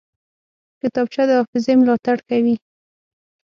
کتابچه د حافظې ملاتړ کوي